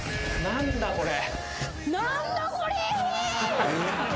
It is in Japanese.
何だこれ！？